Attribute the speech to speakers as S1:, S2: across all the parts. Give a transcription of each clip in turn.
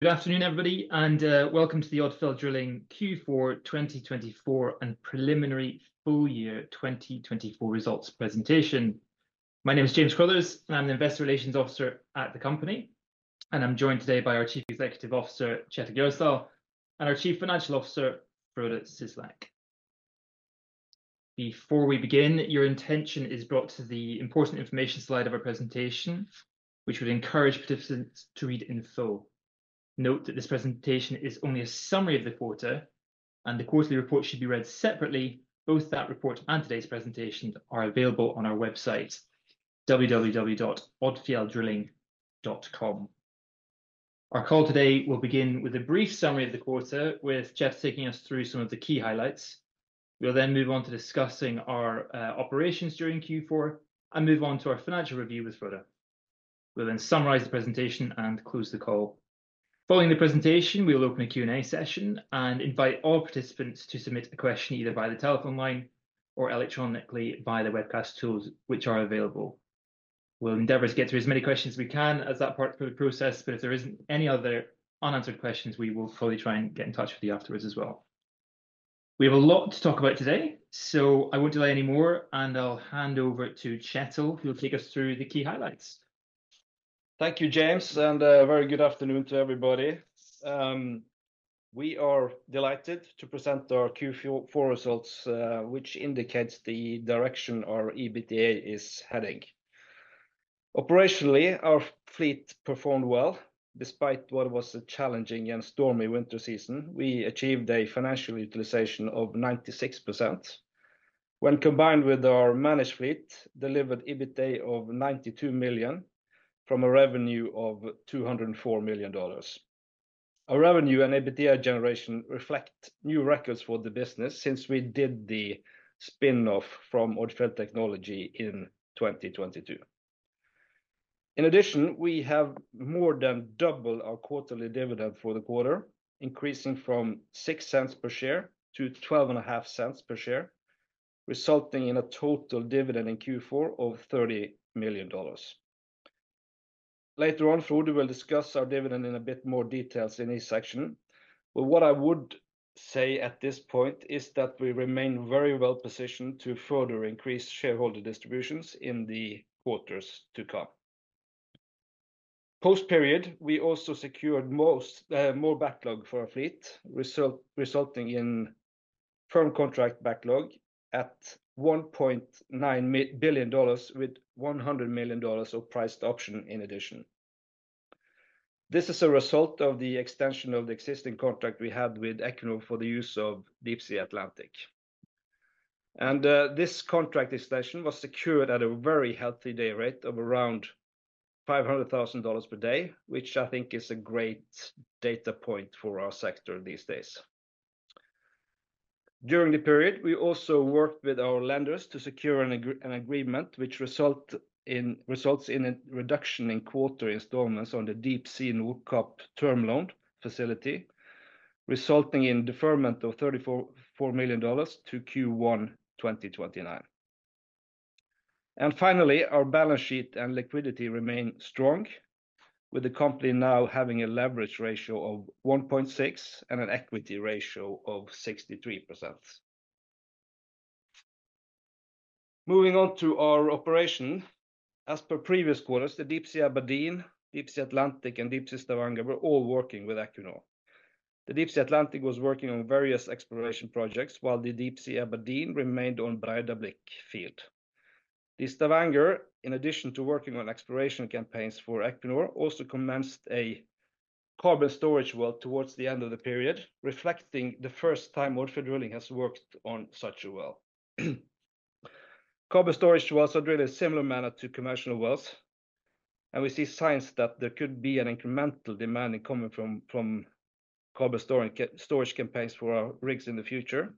S1: Good afternoon, everybody, and welcome to the Odfjell Drilling Q4 2024 and preliminary full year 2024 results presentation. My name is James Crothers, and I'm the Investor Relations Officer at the company, and I'm joined today by our Chief Executive Officer, Kjetil Gjersdal, and our Chief Financial Officer, Frode Syslak. Before we begin, your attention is brought to the important information slide of our presentation, which would encourage participants to read in full. Note that this presentation is only a summary of the quarter, and the quarterly report should be read separately. Both that report and today's presentation are available on our website, www.odfjelldrilling.com. Our call today will begin with a brief summary of the quarter, with Kjetil taking us through some of the key highlights. We'll then move on to discussing our operations during Q4 and move on to our financial review with Frode. We'll then summarize the presentation and close the call. Following the presentation, we'll open a Q&A session and invite all participants to submit a question either by the telephone line or electronically via the webcast tools which are available. We'll endeavor to get through as many questions as we can as that part of the process, but if there aren't any other unanswered questions, we will fully try and get in touch with you afterwards as well. We have a lot to talk about today, so I won't delay any more, and I'll hand over to Kjetil, who will take us through the key highlights.
S2: Thank you, James, and a very good afternoon to everybody. We are delighted to present our Q4 results, which indicate the direction our EBITDA is heading. Operationally, our fleet performed well despite what was a challenging and stormy winter season. We achieved a financial utilization of 96% when combined with our managed fleet delivered EBITDA of $92 million from a revenue of $204 million. Our revenue and EBITDA generation reflect new records for the business since we did the spin-off from Odfjell Technology in 2022. In addition, we have more than doubled our quarterly dividend for the quarter, increasing from $0.06 per share to $12.50 per share, resulting in a total dividend in Q4 of $30 million. Later on, Frode will discuss our dividend in a bit more detail in this section, but what I would say at this point is that we remain very well positioned to further increase shareholder distributions in the quarters to come. Post-period, we also secured more backlog for our fleet, resulting in firm contract backlog at $1.9 billion, with $100 million of priced option in addition. This is a result of the extension of the existing contract we had with Equinor for the use of Deepsea Atlantic, and this contract extension was secured at a very healthy day rate of around $500,000 per day, which I think is a great data point for our sector these days. During the period, we also worked with our lenders to secure an agreement which results in a reduction in quarterly installments on the Deepsea Nordkapp Term Loan facility, resulting in deferment of $34 million to Q1 2029. And finally, our balance sheet and liquidity remain strong, with the company now having a leverage ratio of 1.6 and an equity ratio of 63%. Moving on to our operations, as per previous quarters, the Deepsea Aberdeen, Deepsea Atlantic, and Deepsea Stavanger were all working with Equinor. The Deepsea Atlantic was working on various exploration projects, while the Deepsea Aberdeen remained on Breidablikk field. The Stavanger, in addition to working on exploration campaigns for Equinor, also commenced a carbon storage well towards the end of the period, reflecting the first time Odfjell Drilling has worked on such a well. Carbon storage wells are drilled in a similar manner to commercial wells, and we see signs that there could be an incremental demand coming from carbon storage campaigns for our rigs in the future.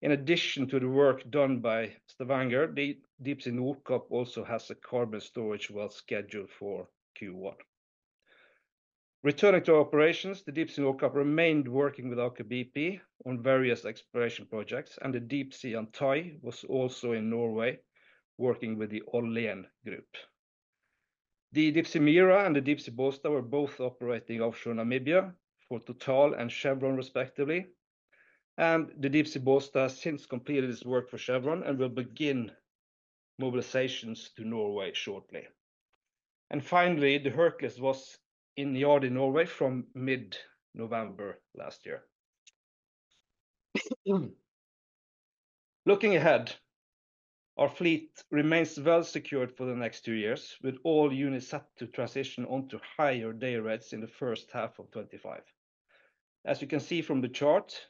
S2: In addition to the work done by Stavanger, the Deepsea Nordkapp also has a carbon storage well scheduled for Q1. Returning to our operations, the Deepsea Nordkapp remained working with Aker BP on various exploration projects, and the Deepsea Yantai was also in Norway, working with the Orlen Group. The Deepsea Mira and the Deepsea Bollsta were both operating offshore in Namibia for Total and Chevron, respectively, and the Deepsea Bollsta has since completed its work for Chevron and will begin mobilizations to Norway shortly, and finally, the Hercules was in the yard in Norway from mid-November last year. Looking ahead, our fleet remains well secured for the next two years, with all units set to transition onto higher day rates in the first half of 2025. As you can see from the chart,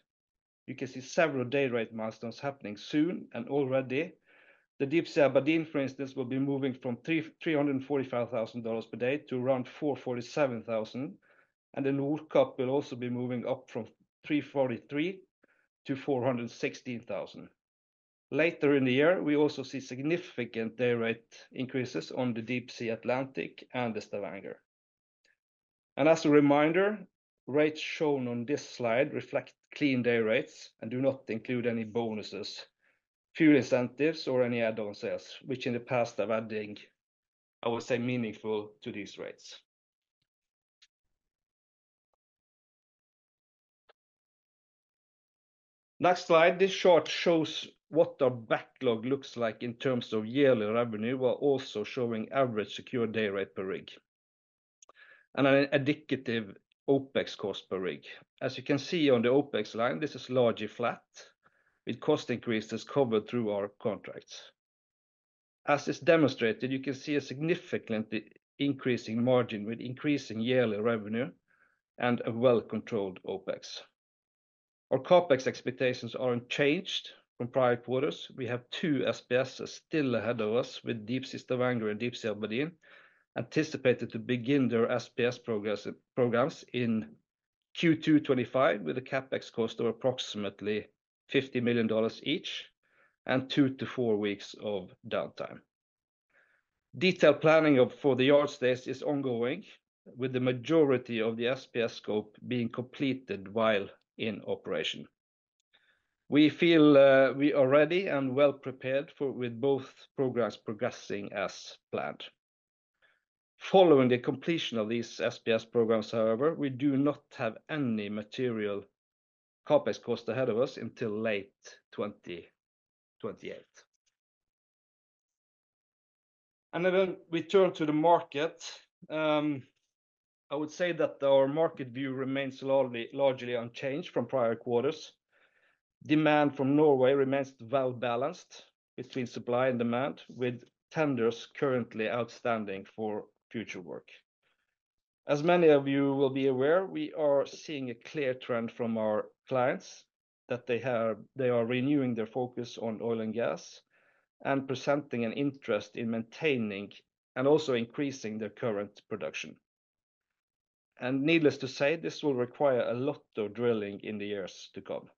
S2: you can see several day rate milestones happening soon, and already the Deepsea Aberdeen, for instance, will be moving from $345,000 per day to around $447,000, and the Deepsea Nordkapp will also be moving up from $343,000 to $416,000. Later in the year, we also see significant day rate increases on the Deepsea Atlantic and the Deepsea Stavanger. And as a reminder, rates shown on this slide reflect clean day rates and do not include any bonuses, fuel incentives, or any add-on sales, which in the past have been adding, I would say, meaningful to these rates. Next slide, this chart shows what our backlog looks like in terms of yearly revenue, while also showing average secure day rate per rig and an indicative OPEX cost per rig. As you can see on the OPEX line, this is largely flat, with cost increases covered through our contracts. As is demonstrated, you can see a significantly increasing margin with increasing yearly revenue and a well-controlled OPEX. Our CAPEX expectations aren't changed from prior quarters. We have two SPSs still ahead of us with Deepsea Stavanger and Deepsea Aberdeen, anticipated to begin their SPS programs in Q2 2025 with a CAPEX cost of approximately $50 million each and two to four weeks of downtime. Detailed planning for the yard space is ongoing, with the majority of the SPS scope being completed while in operation. We feel we are ready and well prepared with both programs progressing as planned. Following the completion of these SPS programs, however, we do not have any material CAPEX cost ahead of us until late 2028, and then we turn to the market. I would say that our market view remains largely unchanged from prior quarters. Demand from Norway remains well balanced between supply and demand, with tenders currently outstanding for future work. As many of you will be aware, we are seeing a clear trend from our clients that they are renewing their focus on oil and gas and presenting an interest in maintaining and also increasing their current production, and needless to say, this will require a lot of drilling in the years to come.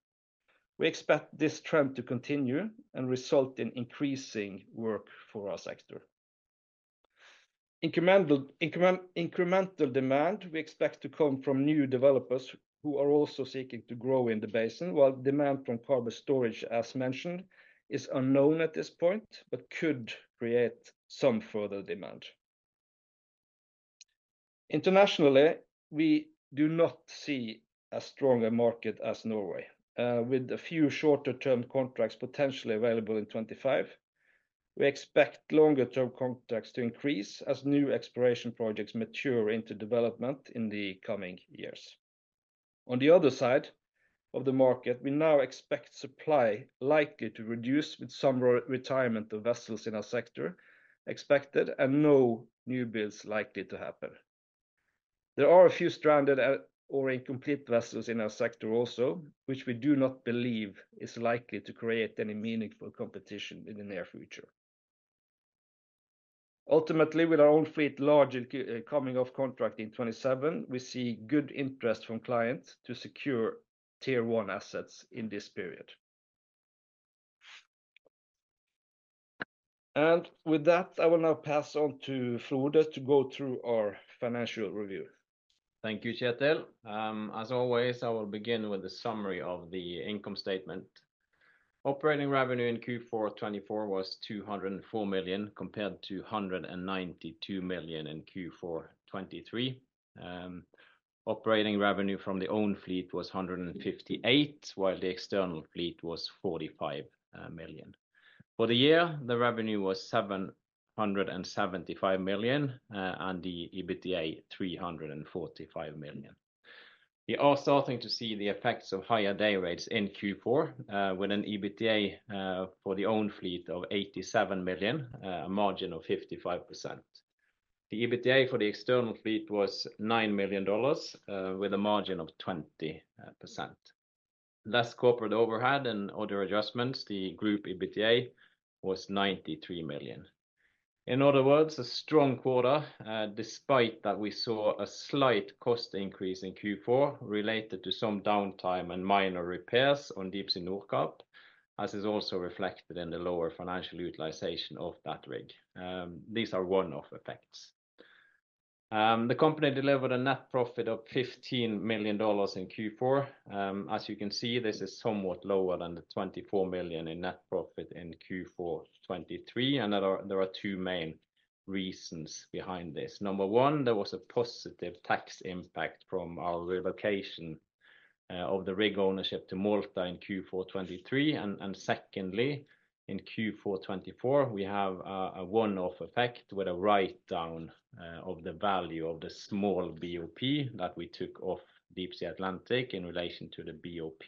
S2: We expect this trend to continue and result in increasing work for our sector. Incremental demand we expect to come from new developers who are also seeking to grow in the basin, while demand from carbon storage, as mentioned, is unknown at this point but could create some further demand. Internationally, we do not see a stronger market as Norway, with a few shorter-term contracts potentially available in 2025. We expect longer-term contracts to increase as new exploration projects mature into development in the coming years. On the other side of the market, we now expect supply likely to reduce with some retirement of vessels in our sector expected and no new builds likely to happen. There are a few stranded or incomplete vessels in our sector also, which we do not believe is likely to create any meaningful competition in the near future. Ultimately, with our own fleet largely coming off contract in 2027, we see good interest from clients to secure tier one assets in this period, and with that, I will now pass on to Frode to go through our financial review.
S3: Thank you, Kjetil. As always, I will begin with a summary of the income statement. Operating revenue in Q4 2024 was $204 million compared to $192 million in Q4 2023. Operating revenue from the own fleet was $158 million, while the external fleet was $45 million. For the year, the revenue was $775 million and the EBITDA $345 million. We are starting to see the effects of higher day rates in Q4, with an EBITDA for the own fleet of $87 million, a margin of 55%. The EBITDA for the external fleet was $9 million, with a margin of 20%. Less corporate overhead and other adjustments, the group EBITDA was $93 million. In other words, a strong quarter, despite that we saw a slight cost increase in Q4 related to some downtime and minor repairs on Deepsea Nordkapp, as is also reflected in the lower financial utilization of that rig. These are one-off effects. The company delivered a net profit of $15 million in Q4. As you can see, this is somewhat lower than the $24 million in net profit in Q4 2023, and there are two main reasons behind this. Number one, there was a positive tax impact from our relocation of the rig ownership to Malta in Q4 2023. And secondly, in Q4 2024, we have a one-off effect with a write-down of the value of the small BOP that we took off Deepsea Atlantic in relation to the BOP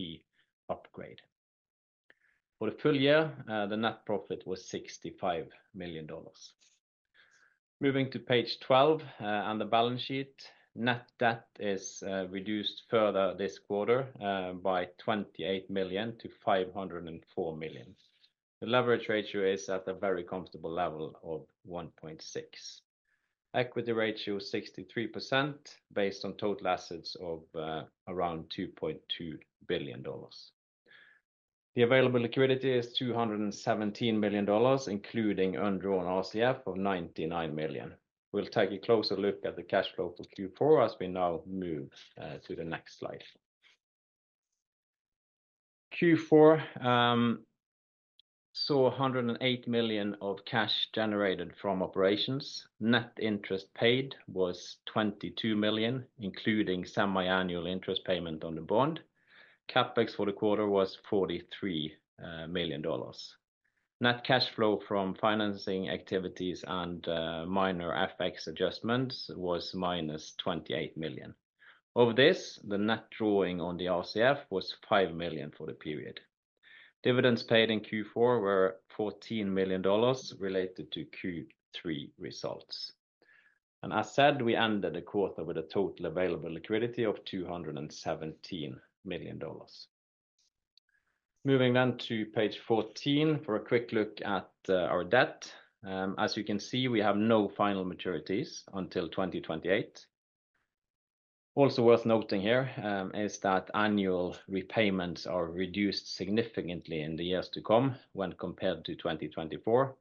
S3: upgrade. For the full year, the net profit was $65 million. Moving to page 12 and the balance sheet, net debt is reduced further this quarter by $28 million to $504 million. The leverage ratio is at a very comfortable level of 1.6. Equity ratio is 63% based on total assets of around $2.2 billion. The available liquidity is $217 million, including undrawn RCF of $99 million. We'll take a closer look at the cash flow for Q4 as we now move to the next slide. Q4 saw $108 million of cash generated from operations. Net interest paid was $22 million, including semi-annual interest payment on the bond. CAPEX for the quarter was $43 million. Net cash flow from financing activities and minor FX adjustments was minus $28 million. Of this, the net drawing on the RCF was $5 million for the period. Dividends paid in Q4 were $14 million related to Q3 results. And as said, we ended the quarter with a total available liquidity of $217 million. Moving then to page 14 for a quick look at our debt. As you can see, we have no final maturities until 2028. Also worth noting here is that annual repayments are reduced significantly in the years to come when compared to 2024,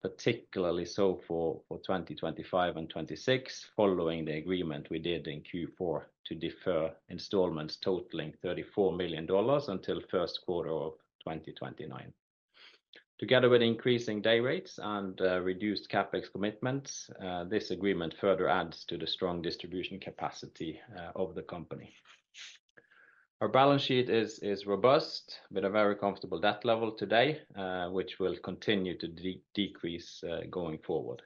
S3: particularly so for 2025 and 2026, following the agreement we did in Q4 to defer installments totaling $34 million until first quarter of 2029. Together with increasing day rates and reduced CAPEX commitments, this agreement further adds to the strong distribution capacity of the company. Our balance sheet is robust with a very comfortable debt level today, which will continue to decrease going forward.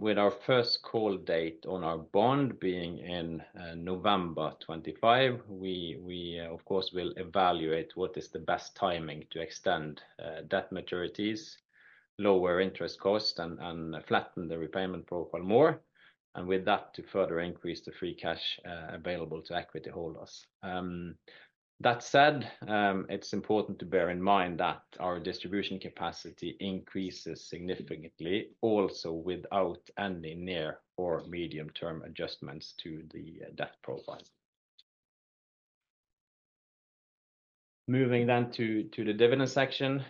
S3: With our first call date on our bond being in November 2025, we, of course, will evaluate what is the best timing to extend debt maturities, lower interest costs, and flatten the repayment profile more, and with that to further increase the free cash available to equity holders. That said, it's important to bear in mind that our distribution capacity increases significantly also without any near or medium-term adjustments to the debt profile. Moving then to the dividend section.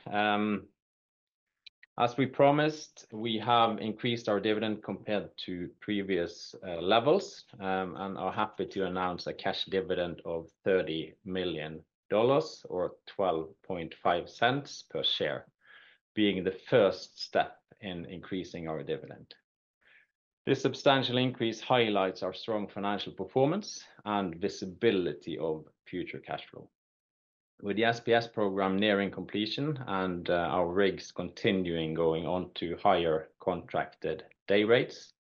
S3: As we promised, we have increased our dividend compared to previous levels and are happy to announce a cash dividend of $30 million or $12.50 per share, being the first step in increasing our dividend. This substantial increase highlights our strong financial performance and visibility of future cash flow. With the SPS program nearing completion and our rigs continuing going on to higher contracted day rates,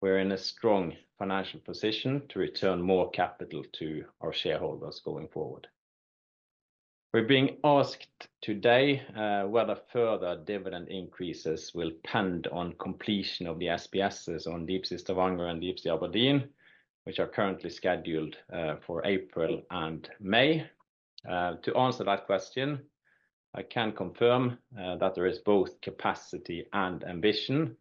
S3: we're in a strong financial position to return more capital to our shareholders going forward. We're being asked today whether further dividend increases will depend on completion of the SPSs on Deepsea Stavanger and Deepsea Aberdeen, which are currently scheduled for April and May. To answer that question, I can confirm that there is both capacity and ambition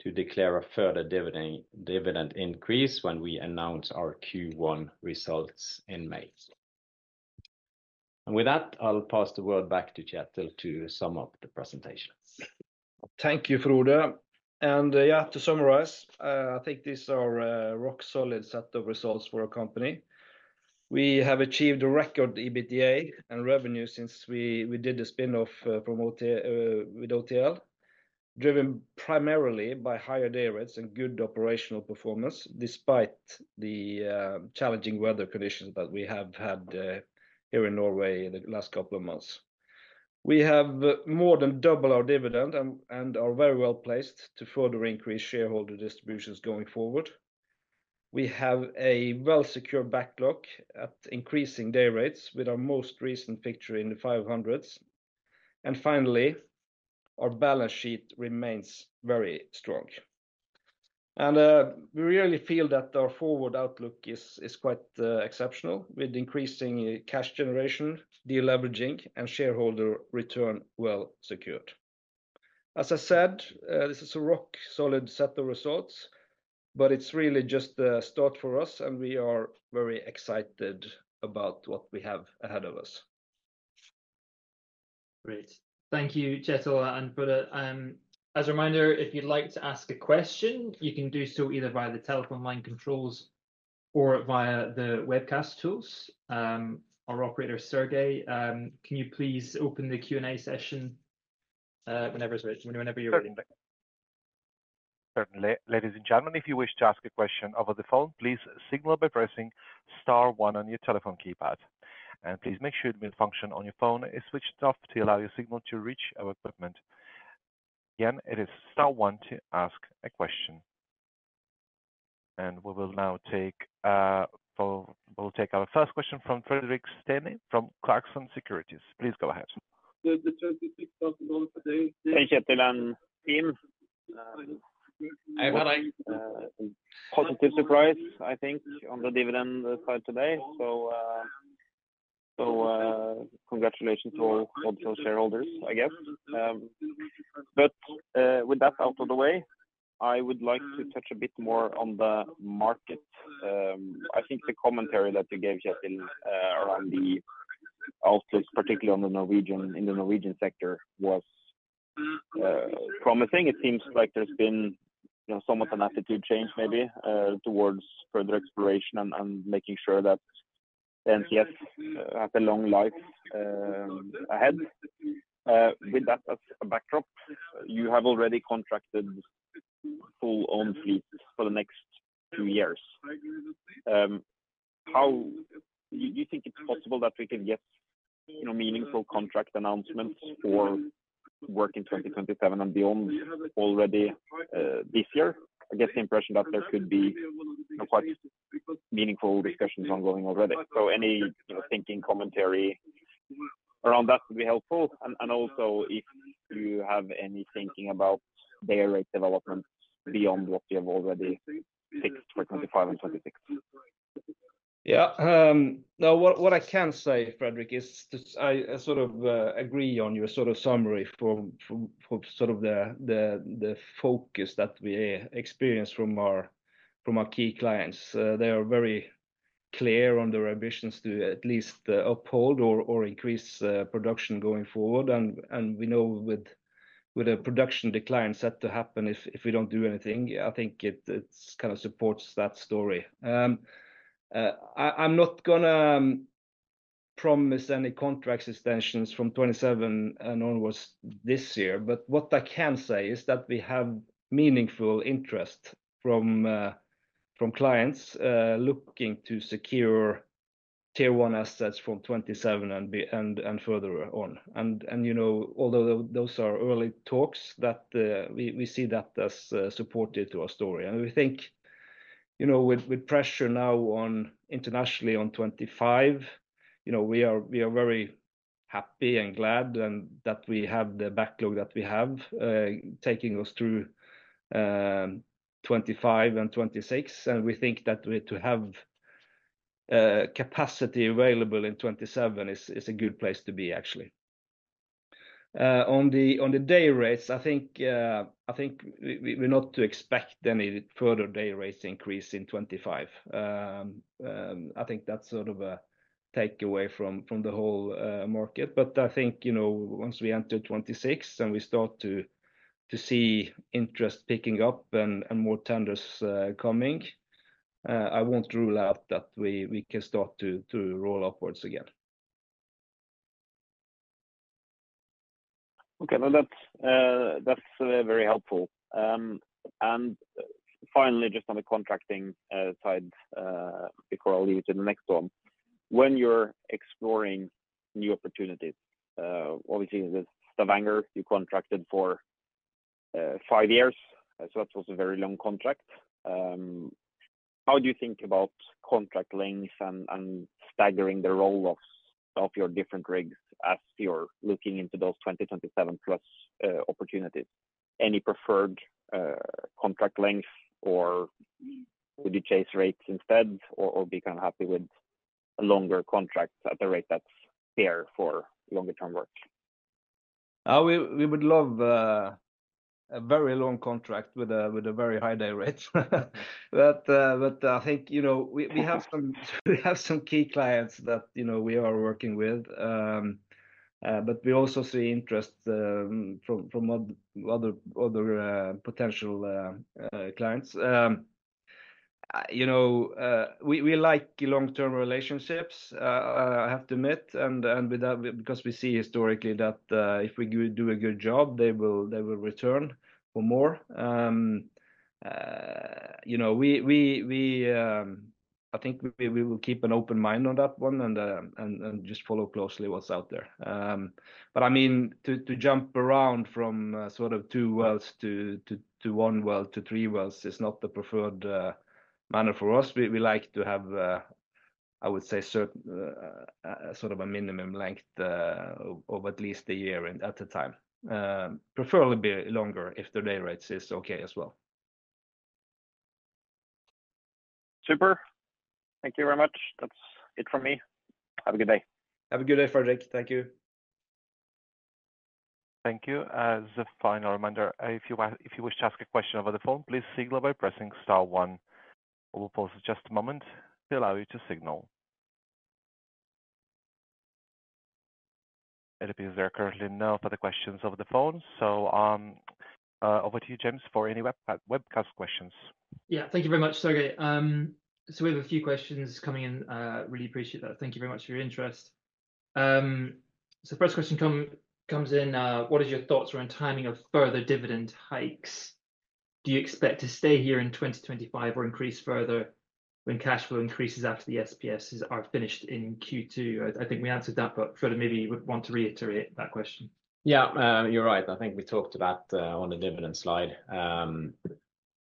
S3: to declare a further dividend increase when we announce our Q1 results in May. And with that, I'll pass the word back to Kjetil to sum up the presentation.
S2: Thank you, Frode. And yeah, to summarize, I think these are a rock-solid set of results for our company. We have achieved a record EBITDA and revenue since we did the spin-off with OTL, driven primarily by higher day rates and good operational performance despite the challenging weather conditions that we have had here in Norway in the last couple of months. We have more than doubled our dividend and are very well placed to further increase shareholder distributions going forward. We have a well-secured backlog at increasing day rates with our most recent picture in the 500s. And finally, our balance sheet remains very strong. And we really feel that our forward outlook is quite exceptional with increasing cash generation, de-leveraging, and shareholder return well secured. As I said, this is a rock-solid set of results, but it's really just the start for us, and we are very excited about what we have ahead of us.
S1: Great. Thank you, Kjetil and Frode. As a reminder, if you'd like to ask a question, you can do so either via the telephone line controls or via the webcast tools. Our operator, Sergei, can you please open the Q&A session whenever you're ready?
S4: Certainly. Ladies and gentlemen, if you wish to ask a question over the phone, please signal by pressing star one on your telephone keypad. And please make sure the function on your phone is switched off to allow your signal to reach our equipment. Again, it is star one to ask a question. And we will now take our first question from Fredrik Stene from Clarksons Securities. Please go ahead.
S5: Thank you, Kjetil and team. A positive surprise, I think, on the dividend side today. So congratulations to all shareholders, I guess. But with that out of the way, I would like to touch a bit more on the market. I think the commentary that you gave, Kjetil, around the outlook, particularly in the Norwegian sector, was promising. It seems like there's been somewhat an attitude change maybe towards further exploration and making sure that NCS has a long life ahead. With that as a backdrop, you have already contracted full-owned fleets for the next two years. Do you think it's possible that we can get meaningful contract announcements for work in 2027 and beyond already this year? I get the impression that there could be quite meaningful discussions ongoing already. So any thinking commentary around that would be helpful. Also, if you have any thinking about day rate development beyond what you have already fixed for 2025 and 2026?
S2: Yeah. Now, what I can say, Fredrik, is I sort of agree on your sort of summary for sort of the focus that we experience from our key clients. They are very clear on their ambitions to at least uphold or increase production going forward. And we know with the production decline set to happen if we don't do anything, I think it kind of supports that story. I'm not going to promise any contracts extensions from 2027 and onwards this year, but what I can say is that we have meaningful interest from clients looking to secure tier one assets from 2027 and further on. And although those are early talks, we see that as supportive to our story. And we think with pressure now internationally on 2025, we are very happy and glad that we have the backlog that we have taking us through 2025 and 2026. We think that to have capacity available in 2027 is a good place to be, actually. On the day rates, I think we're not to expect any further day rates increase in 2025. I think that's sort of a takeaway from the whole market. I think once we enter 2026 and we start to see interest picking up and more tenders coming, I won't rule out that we can start to roll upwards again.
S5: Okay. No, that's very helpful. And finally, just on the contracting side, before I'll leave it to the next one, when you're exploring new opportunities, obviously, with Stavanger, you contracted for five years, so that was a very long contract. How do you think about contract length and staggering the roll-offs of your different rigs as you're looking into those 2027 plus opportunities? Any preferred contract length, or would you chase rates instead, or be kind of happy with a longer contract at the rate that's fair for longer-term work?
S2: We would love a very long contract with a very high day rate, but I think we have some key clients that we are working with, but we also see interest from other potential clients. We like long-term relationships, I have to admit, because we see historically that if we do a good job, they will return for more. I think we will keep an open mind on that one and just follow closely what's out there, but I mean, to jump around from sort of two wells to one well to three wells is not the preferred manner for us. We like to have, I would say, sort of a minimum length of at least a year at a time. Preferably be longer if the day rates is okay as well.
S5: Super. Thank you very much. That's it from me. Have a good day.
S2: Have a good day, Fredrik. Thank you.
S4: Thank you. As a final reminder, if you wish to ask a question over the phone, please signal by pressing star one. We'll pause just a moment to allow you to signal. It appears there are currently no further questions over the phone. So over to you, James, for any webcast questions.
S1: Yeah, thank you very much, Sergei. So we have a few questions coming in. Really appreciate that. Thank you very much for your interest. So first question comes in, what are your thoughts around timing of further dividend hikes? Do you expect to stay here in 2025 or increase further when cash flow increases after the SPS are finished in Q2? I think we answered that, but Frode maybe would want to reiterate that question.
S3: Yeah, you're right. I think we talked about on the dividend slide.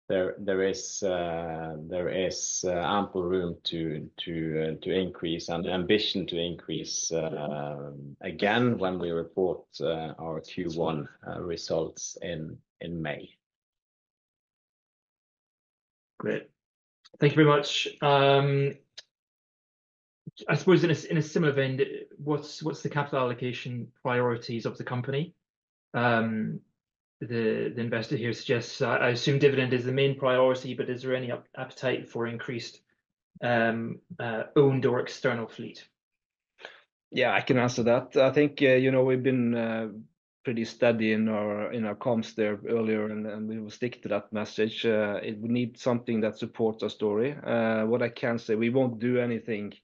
S3: There is ample room to increase and ambition to increase again when we report our Q1 results in May.
S1: Great. Thank you very much. I suppose in a similar vein, what's the capital allocation priorities of the company? The investor here suggests, I assume dividend is the main priority, but is there any appetite for increased owned or external fleet?
S2: Yeah, I can answer that. I think we've been pretty steady in our comms there earlier, and we will stick to that message. We need something that supports our story. What I can say, we won't do anything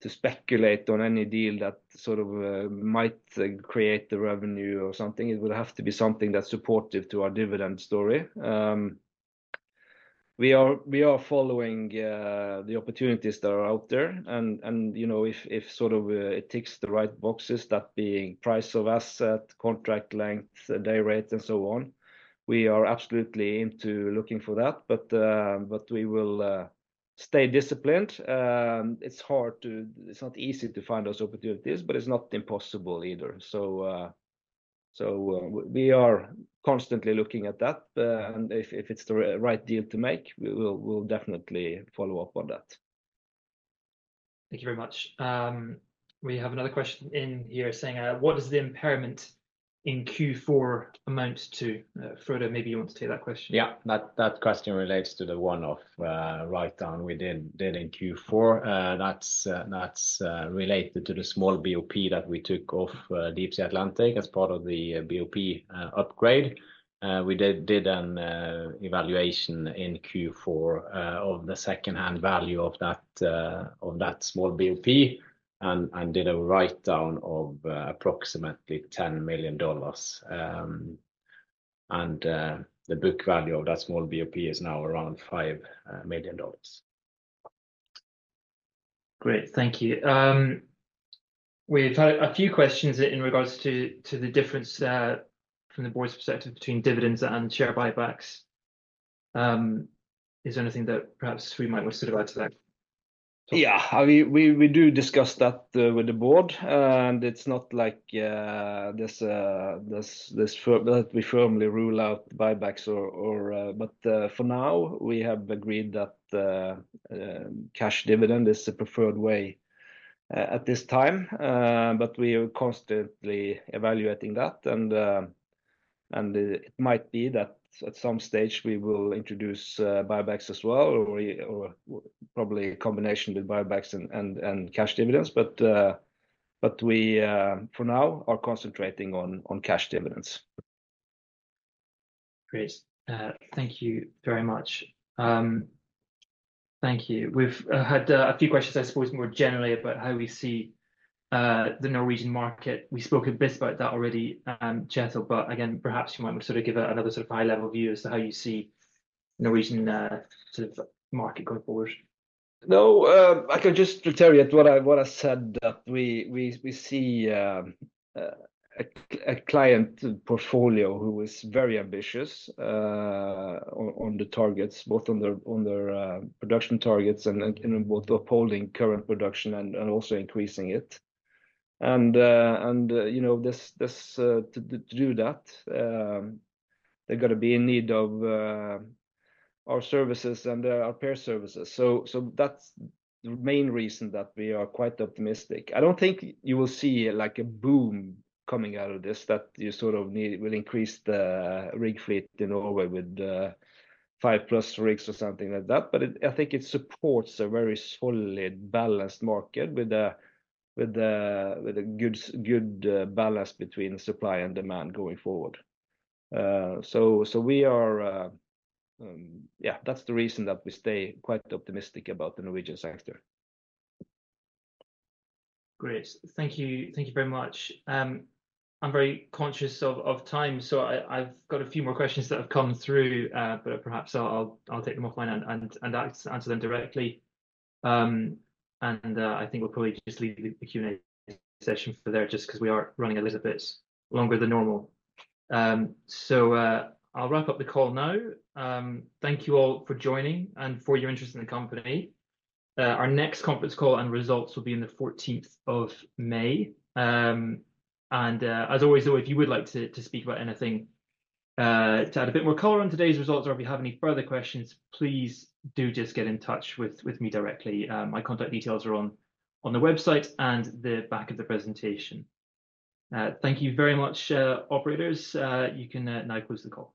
S2: to speculate on any deal that sort of might create the revenue or something. It would have to be something that's supportive to our dividend story. We are following the opportunities that are out there. And if sort of it ticks the right boxes, that being price of asset, contract length, day rate, and so on, we are absolutely into looking for that. But we will stay disciplined. It's hard to, it's not easy to find those opportunities, but it's not impossible either. So we are constantly looking at that. And if it's the right deal to make, we'll definitely follow up on that.
S1: Thank you very much. We have another question in here saying, what is the impairment in Q4 amount to? Frode, maybe you want to take that question.
S3: Yeah, that question relates to the one-off write-down we did in Q4. That's related to the small BOP that we took off Deepsea Atlantic as part of the BOP upgrade. We did an evaluation in Q4 of the second-hand value of that small BOP and did a write-down of approximately $10 million, and the book value of that small BOP is now around $5 million.
S1: Great. Thank you. We've had a few questions in regards to the difference from the board's perspective between dividends and share buybacks. Is there anything that perhaps we might want to add to that?
S2: Yeah, we do discuss that with the board. And it's not like that we firmly rule out buybacks. But for now, we have agreed that cash dividend is the preferred way at this time. But we are constantly evaluating that. And it might be that at some stage we will introduce buybacks as well, or probably a combination with buybacks and cash dividends. But we, for now, are concentrating on cash dividends.
S1: Great. Thank you very much. Thank you. We've had a few questions, I suppose, more generally about how we see the Norwegian market. We spoke a bit about that already, Kjetil, but again, perhaps you might sort of give another sort of high-level view as to how you see the Norwegian sort of market going forward.
S2: No, I can just return to what I said, that we see a client portfolio who is very ambitious on the targets, both on their production targets and in both upholding current production and also increasing it. And to do that, they're going to be in need of our services and our well services. So that's the main reason that we are quite optimistic. I don't think you will see a boom coming out of this, that you sort of will increase the rig fleet in Norway with five plus rigs or something like that. But I think it supports a very solid, balanced market with a good balance between supply and demand going forward. So yeah, that's the reason that we stay quite optimistic about the Norwegian sector.
S1: Great. Thank you very much. I'm very conscious of time, so I've got a few more questions that have come through, but perhaps I'll take them offline and answer them directly. And I think we'll probably just leave the Q&A session for now just because we are running a little bit longer than normal. So I'll wrap up the call now. Thank you all for joining and for your interest in the company. Our next conference call and results will be on the 14th of May. And as always, though, if you would like to speak about anything to add a bit more color on today's results, or if you have any further questions, please do just get in touch with me directly. My contact details are on the website and the back of the presentation. Thank you very much, operators. You can now close the call.